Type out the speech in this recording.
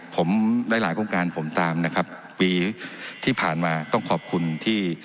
ผมได้หลายโครงการผมตามนะครับปีที่ผ่านมาต้องขอบคุณที่